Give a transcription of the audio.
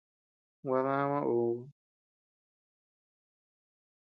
Gua damaa uu.